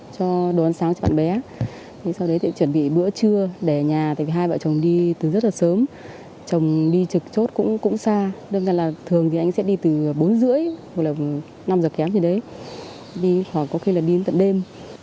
cho đồ ăn sáng cho bạn bé sau đấy thì chuẩn bị bữa trưa để nhà tại vì hai vợ chồng đi từ rất là sớm chồng đi trực chốt cũng xa nên là thường thì anh sẽ đi từ bốn h ba mươi năm h kém gì đấy đi khỏi có khi là đi đến tận đêm